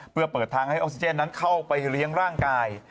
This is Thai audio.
เพื่อเปิดทางให้ออกซิเจนนั้นเข้าไปเลี้ยงร่างกาย